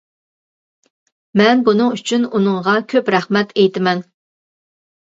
مەن بۇنىڭ ئۈچۈن ئۇنىڭغا كۆپ رەھمەت ئېيتىمەن.